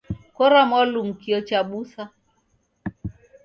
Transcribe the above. Kora mwalumu kio chabusa